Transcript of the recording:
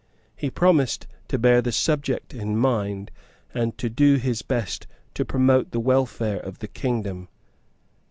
He promised to bear the subject in mind, and to do his best to promote the welfare of the kingdom.